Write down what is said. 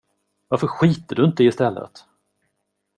Varför skiter du inte istället?